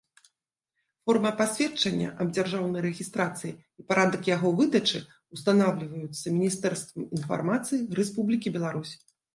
Форма пасведчання аб дзяржаўнай рэгiстрацыi i парадак яго выдачы ўстанаўлiваюцца Мiнiстэрствам iнфармацыi Рэспублiкi Беларусь.